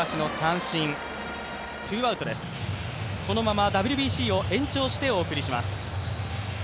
このままＷＢＣを延長してお送りします。